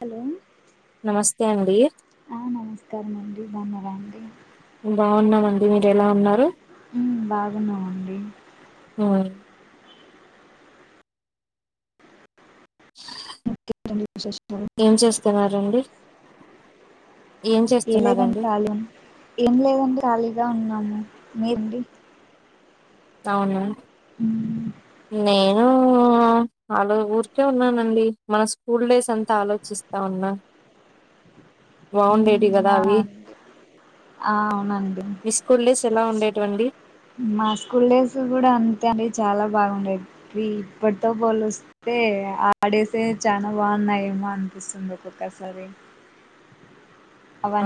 Hello నమస్తే అండి ఆ నమస్కారం అండి బాగున్నారా అండి బాగున్నామండి మీరు ఎలా ఉన్నారు ఉమ్, బాగున్నామండి ఆ [unintelligible] ధ సీ అ [inaudible] ఏం చేస్తున్నారండి ఏం లేదండి చేస్తున్నారండి ఖాళీ ఉన్- ఏం లేదండి ఖాలీగా ఉన్నాము మీరండి అవున [unintelligible] నేనూ ఆ అలా ఊరికే ఉన్నానండి మా స్కూల్ డేస్ అంతా ఆలోచిస్తా ఉన్నా బాగుండేవి కదా అవి అవునండి అవునండి మీ స్కూల్ డేస్ ఎలా ఉండేటవండి మా స్కూల్ డేస్ కూడా అంతే అండి చాలా బాగుండేది ఈ ఇప్పటితో పోలుస్త అయితే ఆడేసే చానా బాగున్నాయేమో అనిపిస్తుంది ఒక్కొక్కసారి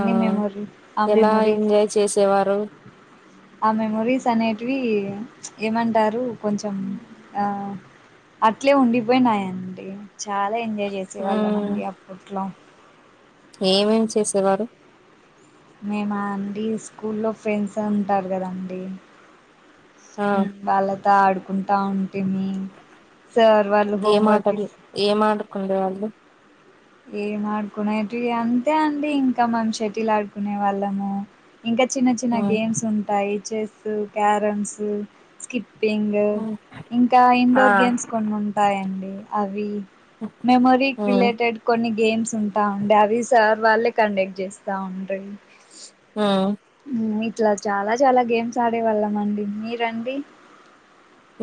ఆ మెమోరీ ఆ ఎలా మెమోరీస్ ఎంజాయ్ చేసేవారు ఆ మెమొరీస్ అనేటివి ప్చ్ ఏమంటారు కొంచెం ఆ అట్లే ఉండిపోయినాయిండి చాలా ఎంజాయ్ ఉమ్ చేసేవాళ్ళమండి అప్పట్లో ఏమేం చేసేవారు మేమా అండి స్కూల్లో ఫ్రెండ్స్ ఉంటారు కదండి ఆ వాళ్ళతో ఆడుకుంటా ఉంటిమి సార్ వాళ్ళు ఎం హోంవర్క్ ఆటలు ఇస్ ఎం ఆడుకుండే వాళ్ళు ఏం ఆడుకునేటివి అంతే అండి ఇంక మన్ షటిల్ ఆడుకునే వాళ్ళము ఇంకా చిన్న చిన్న ఉమ్ గేమ్స్ ఉంటాయి చేస్సు క్యారమ్స్ స్కిప్పింగ్ ఇంకా ఆ ఇండోర్ గేమ్స్ కొన్ని ఉంటాయండి అవి మెమోరీకి ఉమ్ రిలేటెడ్ కొన్ని గేమ్స్ ఉంటా ఉండే అవి సార్ వాళ్ళే కండక్ట్ చేస్తా ఉండ్రి హు ఇట్లా చాలా చాలా గేమ్స్ ఆడే వాళ్ళం అండి మీరండి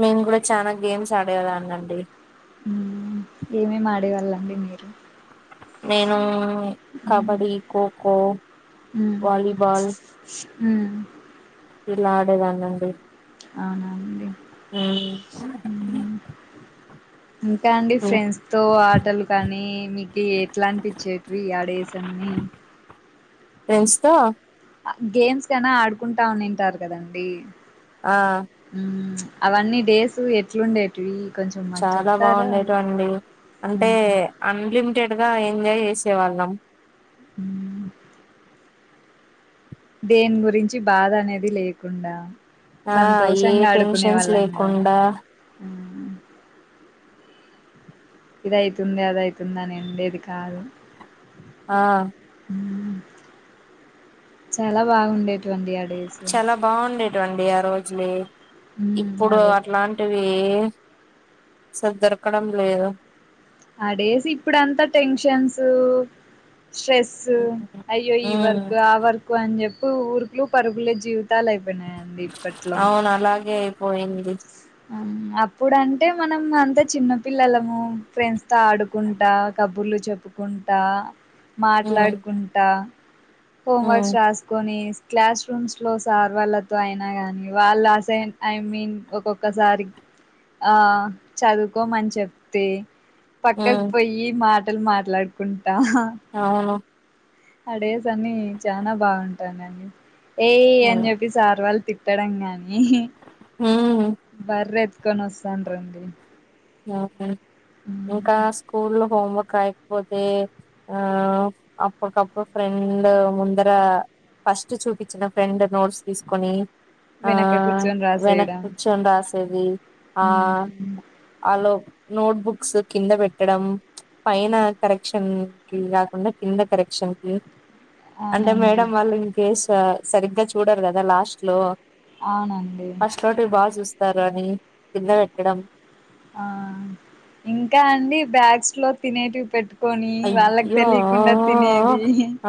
మేము కూడా చానా గేమ్స్ ఆడేదాన్ని అండి మ్ ఏమేమి ఆడేవాళ్ళండి మీరు నేను కబడీ ఖోఖో వాలీబాల్ హు ఇలా ఆడేదాన్ని అండి అవునండి ఇంకా అండి ఉమ్. ఫ్రెండ్స్తో ఆటలు కానీ మీకు ఎట్లా అనిపించేట్వి ఆ డేస్ అన్ని ఫెండ్స్తో ఆ గేమ్స్ కేనా ఆడుకుంటా ఉన్నింటారు కదండి ఆ మ్ అవన్నీ డేసు ఎట్లుండే టివి కొంచెం మాకు చాలా చెప్తారా మ్ అన్లిమిటెడ్గా ఎంజాయ్ చేసేవాళ్ళం హు దేని గురించి బాధ అనేది లేకుండా ఆ ఏ సంతోషంగా ఆడుకునే టెన్షన్స్ వాళ్ళం కదనే లేకుండా మ్ ఇదయితుంది అదయితుంది అని ఉండేది కాదు ఆ చాలా బాగుండే చాలా బాగుండేటివండి ఆ రోజులే మ్మ్ ఇప్పుడు అదే అట్లా టివి దొరకడం లేదు అడేసు ఇప్పుడంతా టెన్షన్స్ స్ట్రెస్ సు అయ్యో ఈ ఉమ్ వర్క్ ఆ వర్కు అని చెప్పి ఊరుకులు పరుగులే జీవితాలు తున్నాయి అండి ఇప్పట్లో నాలాగే పోయింది అమ్ అప్పుడంటే మనం అంత చిన్న పిల్లలము ఫ్రెండ్స్తో ఆడుకుంటా కబుర్లు చెప్ కుంటా ఉమ్ మాట్లాడుకుంటా ఉమ్ హోంవర్క్స్ రాసుకొని క్లాస్ రూమ్స్ లో సార్ వాళ్ళతో అయినా గాని వాళ్ళు అసైన్ ఐ మీన్ ఒక్కో ఒకసారి ఆ చదువుకోమని చెప్తే పక్కకు ఉమ్ పోయి మాటలు మాట్లాడుకుంటా అవును అడేస్ అన్ని చానా బాగుంటానని ఏయ్ ఉమ్ అని చెప్పి సార్ వాళ్ళు తిట్టడం గాని ఉమ్ బర్రె ఎతుకొని వస్తాన్లు రండి ఇంకా స్కూల్ లో హోంవర్క్ రాయకపోతే ఆ అప్పకప్పుడు ఫ్రెండ్ ముందర ఫస్ట్ చూపించిన ఫ్రెండ్ నోట్స్ తీసుకొని ఆ వెనక కూర్చొని వెనక్ రాసేయడం కూర్చొని రాసేది ఆ హ్మ్ అలోప్ నోట్బుక్స్ కింద పెట్టడం పైన కరెక్షన్ కి కాకుండా కింద కరెక్షన్ కి అంటే అవునండి మేడం వాళ్ళు ఇంకేస్ సరిగ్గా చూడరు కదా లాస్ట్ లో అవునండి తోటి బాగా చూస్తారు అని కింద పెట్టడం ఆ ఇంకా అండి బ్యాగ్స్ లో తినేటివి పెట్టుకు కొని వాళ్ళకి అయ్యో తెలీకుండా తినేది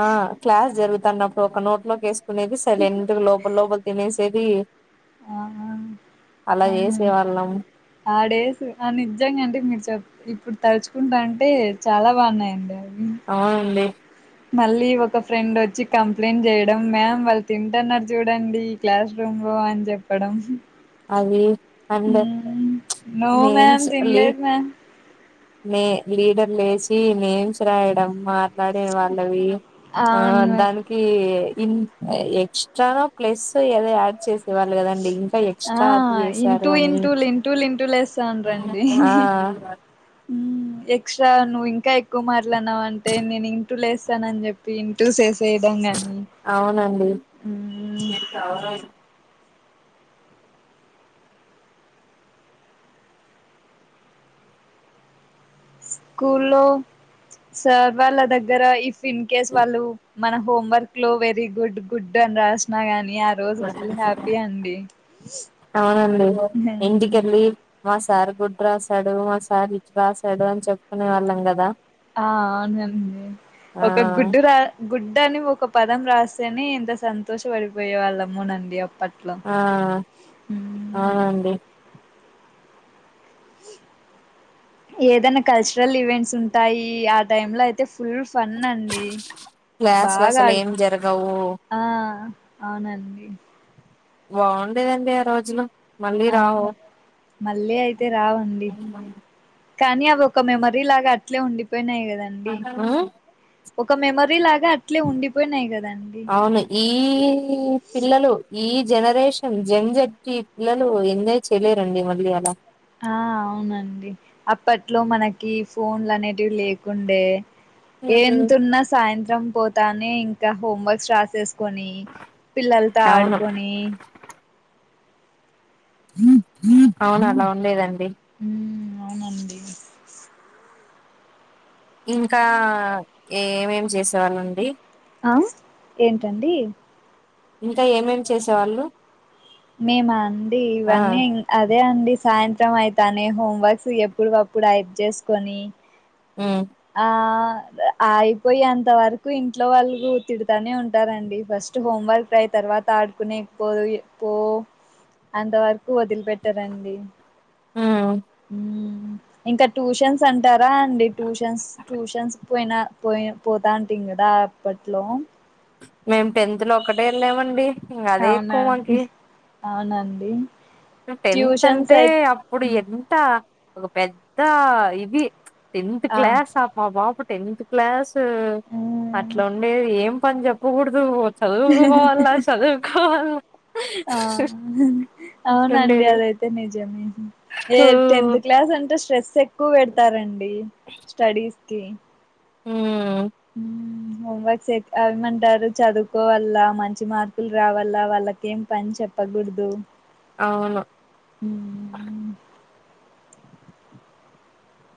ఆ క్లాస్ జరుగుతున్నప్పుడు ఒక నోట్ లోకి వేసుకునేది సైలెంట్ గా లోపల లోపల తినేసేది ఆ అలా అవునండి వేసేవాళ్ళం ఆ డేస్ ఆ నిజంగా అంటే మీరు చెప్ ఇప్పుడు తల్చుకుంటాంటే చాలా బాగున్నాయండి అవి అవునండి మళ్ళీ ఒక ఫ్రెండ్ వచ్చి కంప్లైంట్ చేయడం మ్యామ్ వాళ్ళు తింటన్నారు చూడండి క్లాస్ రూమ్ లో అని చెప్పడం అది అండ్ నో మ్యామ్ తిన్లేదు మ్యామ్ మే లీడర్ లేసి నేమ్స్ రాయడం మా మాట్లాడే వాళ్ళవి ఆ అవును మ్యామ్ దానికి ఇన్ ఎక్స్ట్రానో ప్లస్సో ఏదో యాడ్ చేసేవాళ్ళు కదండి ఇంకా ఎక్ ఆ ఇంటూ ఇంటూలు ఇంటూలు ఇంటూలు లేస్తాండ్రండి ఆ మ్మ్ ఎక్స్ట్రా నువ్వు ఇంకా ఎక్కువ మాట్లాడినావంటే నేను ఇంటూలేస్తానని చెప్పి చెప్పి ఇంటూస్ వేసేయడం గాని మ్మ్ టవరయిల్ స్కూల్లో సార్ వాళ్ళ దగ్గర ఇఫ్ ఇన్ కేస్ వాళ్ళు మన హోంవర్క్ లో వెరీ గుడ్ గుడ్ అని రాసిన గాని ఆ రోజు ఫుల్ హ్యాపీ అండి అవునండి ఇంటికెళ్ళి మా సార్ గుడ్ రాసాడు మా సార్ ఇట్ రాసాడు అని చెప్పుకునే వాళ్ళం కదా ఆ అవునండి ఆ ఒక గుడ్డు రా గుడ్ అని ఒక పదం రాస్తేనే ఎంత సంతోష పడిపోయే వాళ్ళమోనండి అప్పట్ ఆ ఆ అండి ఏదైనా కల్చరల్ ఈవెంట్స్ ఉంటాయి ఆ టైంలో అయితే ఫుల్ ఫన్నండి క్లాసులు బాగా అసలు ఏం ఆడుకున్ జరగవు ఆ అవునండి బాగుండేదండి ఆ రోజులు మళ్ళీ రావు అవును మళ్ళీ అయితే రావండి ఉమ్ కానీ అవి ఒక మెమరీ లాగా అట్లే ఉండిపోయినాయి కదండి మ్మ్ ఒక మెమరీ లాగా అట్లే ఉండిపోయినాయి కదాండి అవును ఈ పిల్లలు ఈ జనరేషన్ జంజట్టి పిల్లలు ఎంజాయ్ చేయలేరండి మళ్ళీ అలా ఆ అవునండి అప్పట్లో మనకి ఫోన్లు అనేటివి లేకుండే ఉమ్ ఎంతున్నా సాయంత్రం పోతానే ఇంకా హోంవర్క్స్ రాసేసుకొని పిల్లలతో అవును ఆడుకొని అవును అలా వుండేదండి మ్మ్ అవునండి ఇంకా ఏమేమి చేసేవాళ్ళండి ఆ ఏంటండి ఇంకా ఏమేం చేసేవాళ్ళు మేము అండి ఆ ఇవన్నీ అదే అండి సాయంత్రం అయితానే హోంవర్క్స్ ఎప్పుడుకప్పుడు రైట్ చేసుకొని మ్ ఆ అయిపోఏంత వరకు ఇంట్లో వాళ్ళు తిడతానే ఉంటారండి ఫస్ స్ట్ హోమ్వర్క్ రాయి తర్వాత ఆడుకునేకిపో పో అంతవరకు వదిలిపెట్టారండి ఆ మ్ ఇంకా ట్యూషన్స్ అంటారా అండి ట్యూషన్స్ ట్యూషన్స్ పోయిన పోయి పోతా ఉంటీం కదా అప్పట్లో మేము టెన్త్ లో ఒక్కటే వెళ్ళామండి ఇంకా అదే అవునా ఎక్కువ మాకి అండి అవునండి టెన్త్ ట్యూషన్స్ అంటే అయి అప్పుడు ఎంత ఒక పెద్ద ఇది టెన్త్ క్లాస్ ఆ మా బాబు టెన్ క్లాస్ మ్మ్. అట్లా ఉండే ఏం పని చెప్పకూడదు చదువుకోవాల్ల చదువుకోవాల్ల ఆ అవునండి అట్లుండేది అదైతే నిజమే ఏ టెన్త్ ఉమ్ క్లాస్ అంటే స్ట్రెస్ ఎక్ క్కువ పెడతారండి స్టడీస్ కి మ్ మ్మ్. హోంవర్క్స్ అ ఏమంటారు చదువుకోవల మంచి మార్కులు రావాల వాళ్ళకి ఏం పని చెప్ ప్పకూడదు అవును ఉ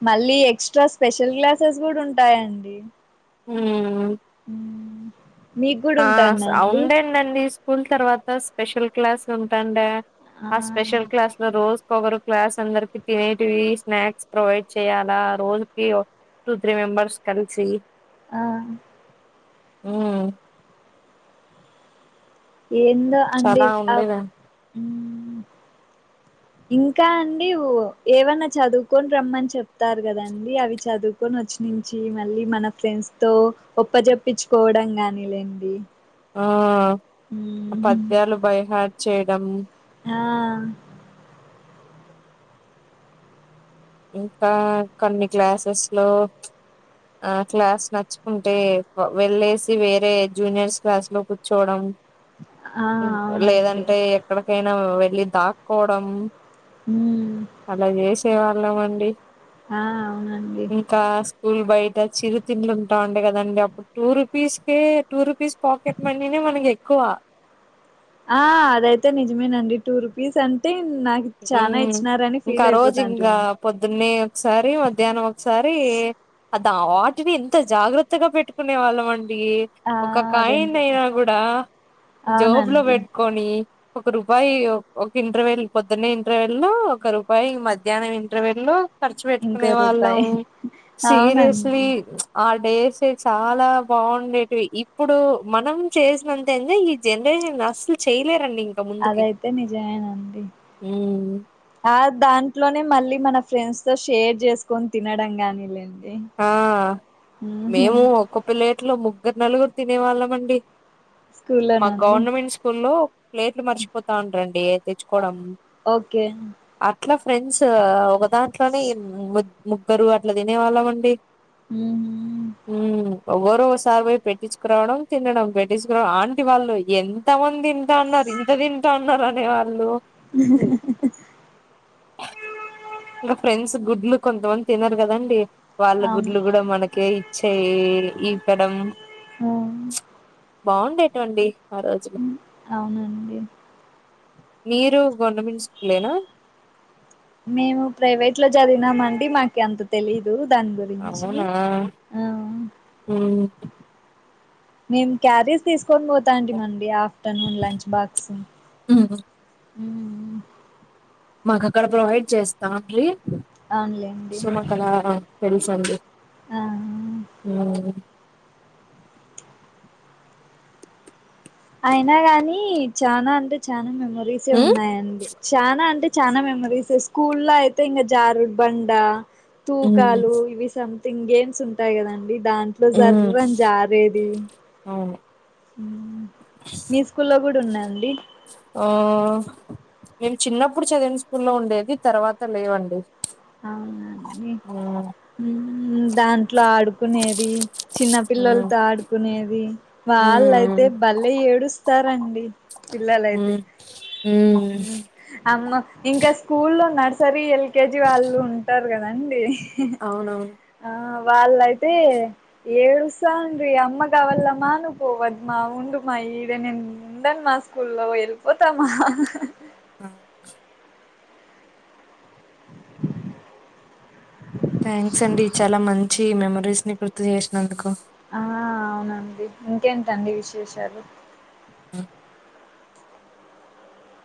మళ్ళీ ఎక్స్ట్రా స్పెషల్ క్లాసెస్ కూడా ఉంటాయండి మ్ నీకు కూడా ఉంటాన్నా అండి ండి స్కూల్ తర్వాత స్పెషల్ క్లాస్ ఉంటాండే ఆ స్పెషల్ క్లాస్ రోజుకి ఒకరు క్లాస్ అందరికి తినేటివి స్నాక్స్ ప్రొవైడ్ చేయ్యాలా రోజుకి టూ త్రీ మెంబర్స్ కలిసి ఆ మ్ ఎందో అండి చాలా ఆ ఉండేది మ్మ్. ఇంకా అండి ఉ ఏమన్నా చదువుకొని రమ్మని చెప్తారు కదండి అవి చదువు కొని వచ్చి నుంచి మళ్ళీ మన ఫ్రెండ్స్ తో ఒప్పజప్పించుకోవడం గాని లేండి ఆ హ ఆ పద్యాలు బైహాడ్ చేయడం ఆా ఇంకా కొన్ని క్లాసెస్ లో ఆ క్లాస్ నచ్చుకుంటే వెళ్ళేసి వేరే జూనియర్స్ క్లాస్ లో కూర్చోవడం ఆ అవునండి లేదంటే ఎక్కడికైనా వెళ్ళి దాక్కోవడం మ్ అలా జేసేవాళ్ళం అండి. ఆ అవునండి. కా స్కూల్ బయట, చిరుతిండ్లు ఉంటా ఉండే కదండి అప్పుడ్ టూ రూపీస్కే, టూ రూపీస్ పాకెట్ మనీనే మనకి ఎక్కువ. ఆ అదైతే నిజమేనండి, టూ రూపీస్ అంటే నాకి చానా మ్మ్ ఇచ్చినారని ఇంకా ఫీల్ ఆ రోజు అయిపోతా అంటి ఇంకా [unintelligible] పొద్దున్నే ఒకసారి, మధ్యాహ్నం ఒకసారి అదాటిని ఎంత జాగ్రత్తగా పెట్టుకునే వాళ్ళం అండి. ఆ ఒక రెండు కాయిన్ రూపాయ అయినా గుడా, జోబులో అవునండి పెట్టుకు కొని, ఒక రూపాయి ఒక ఇంట్రవేల్ పొద్దున్నే ఇంటర్వెల్లో ఒక రూపాయి, మధ్యాహ్నం ఇంటర్వేల్ లో ఖర్చు ఇంకో పెట్టుకునే వాళ్ళం, రూపాయి అవునండి సీరియస్లీ ఆ డేసే చాలా బాగుండేటివి, ఇప్పుడు మనం చేసినంత ఎంజాయ్ ఇంగ్ జనరేషన్ అస్సలు చేయలేరండి ఇంగ్. అదైతే నిజమేనండి. ఉమ్మ్ ఆ దాంట్లోనే మళ్ళీ మన ఫ్రెండ్స్ తో షేర్ జేసుకొని తినడం గానీ లేండి. ఆ మేము ఒక ప్లేట్లో ముగ్గురు, నలుగురు తినే వాళ్ళమండి. స్కూల్లోనా మాక్ అండి గవర్నమెంట్ స్కూల్లో ప్లేట్లు మర్చిపోతా ఉంటారండి ఏ తెచ్చుకోవడం. ఓకే అట్లా ఫ్రెండ్స్, ఒక దాంట్లోనే ఇమ్ ముగ్గురు అట్లా తినేవాళ్ళం అండి. ఉహుమ్ ఉమ్మ్ ఎవరో ఓసారి పోయి పెట్టించుకురావడం తినడం, పెట్టించుకురా ఆంటి వాళ్ళు ఎన్ ఎంతమంది తింటా ఉన్నారు, ఇంత తింటా ఉన్నారు అనే వాళ్ళు. ఇగా ఫ్రెండ్స్ గుడ్లు కొంతమంది తినారు కదండి, వాళ్ళ అవును గుడ్లు కూడా మనకే ఇ చేయి ఈపడం ఉమ్ బావుండేటివండి ఆ రోజు హ్మ్. అవునండి. మీరు గవర్నమెంట్ స్కూలేనా మేము ప్రైవేట్ లో చదివినాం అండి, మాకు ఎంత తెలీదు దాని గు రించి అవునా ఆ ఉమ్ మేం క్యారీస్ తీస్కొని పోత్ న్డామండి afternoon lunch box um um మాక్ అక్కడ ప్రొవైడ్ చేస్తా అండి, అవునులేండి సో మాకు అలా తెలుసండి. ఆ ఆ! ఉమ్మ్ అయినా గాని చానా అంటే, చానా మెమరీసే ఉమ్ ఉన్నాయండి. చానా అంటే చానా మెమరీసేస్, స్కూల్లో అయితే ఇంగా జారుడుబండ, ఉమ్ తూకాలు ఇవి సమ్ థింగ్ గేమ్స్ ఉంటాయి కదండి, దాంట్లో ఉమ్. జర్రని జారేది. అవును ఉమ్ మీ స్కూ లో గుడా ఉన్నాఅండి. ఆ మేం చిన్నప్పుడు చదివిన స్కూల్లో ఉండేది, తర్వాత లేవండి. అవునండి ఉమ్ దాంట్లో ఆడుకునేది చిన్న ఉమ్ పిల్లలతో ఆడుకునేది వాళ్ళైతే ఉమ్ బలే ఏడుస్తారండి పిల్లలైతే ఉ అమ్మ ఇంకా స్కూల్లో నర్సరీ ఎల్కేజీ వాళ్ళు ఉంటారు. కదండి అవును ఆ వాళ్ళయితే ఏడుస్తా ఉండ్రి అమ్మగవలమ్మ నువ్వు పోవదమ్మ ఉం మా ఇదే నెన్ ఉందండి మా స్కూల్లో వెళ్ళిపోతామా ఆ చాలా థ్యాంక్స్ అండి చాలా మంచి మెమరీస్ ని గుర్తు చేసినందుకు ఆ అవునండి ఇంకేంటండి విశేషాలు హ్